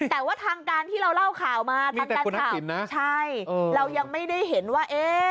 แต่ว่าทางการที่เราเล่าข่าวมามีแต่คุณทักษิณน่ะใช่เรายังไม่ได้เห็นว่า